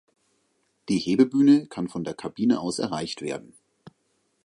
Die Hebebühne kann von der Kabine aus erreicht werden.